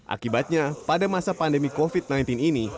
akibatnya pada masa pandemi covid sembilan belas ini